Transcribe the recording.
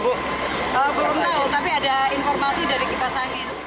belum tahu tapi ada informasi dari kipas angin